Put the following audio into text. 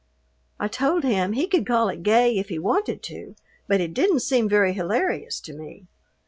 I told him he could call it gay if he wanted to, but it didn't seem very hilarious to me.